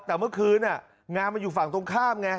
แต่เมื่อคืนงานมันอยู่ฝั่งตรงข้ามไง